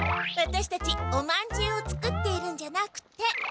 ワタシたちおまんじゅうを作っているんじゃなくて。